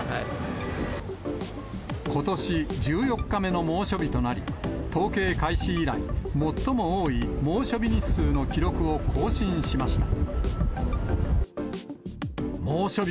ことし、１４日目の猛暑日となり、統計開始以来、最も多い猛暑日日数の記録を更新しました。